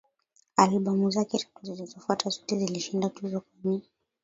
Albamu zake tatu zilizofuata zote zilishinda tuzo kwenye